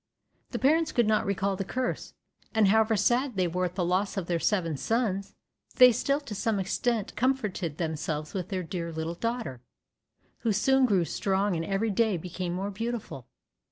The parents could not recall the curse, and however sad they were at the loss of their seven sons, they still to some extent comforted themselves with their dear little daughter, who soon grew strong and every day became more beautiful.